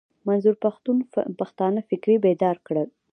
منظور پښتون پښتانه فکري بيدار کړل.